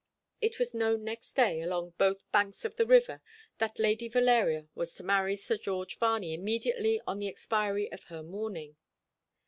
It was known next day along both banks of the river that Lady Valeria was to marry Sir George Varney immediately on the expiry of her mourning.